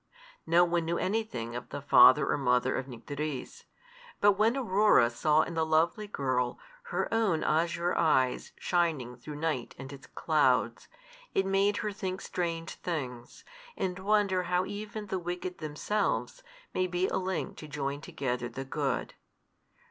No one knew anything of the father or mother of Nycteris; but when Aurora saw in the lovely girl her own azure eyes shining through night and its clouds, it made her think strange things, and wonder how even the wicked themselves may be a link to join together the good.